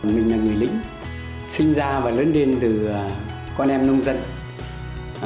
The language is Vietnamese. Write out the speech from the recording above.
mình là người lính sinh ra và lớn lên từ con em nông dân từ vi nhân dân